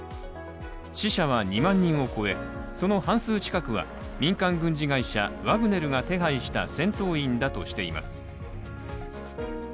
死者は２万人を超え、その半数近くは民間軍事会社ワグネルが手配した戦闘員だとしています。